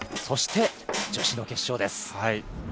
そして、女子の決勝です。